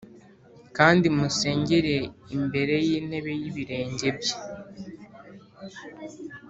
kandi musengere imbere y’intebe y’ibirenge bye.